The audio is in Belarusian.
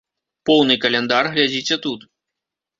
Поўны каляндар глядзіце тут.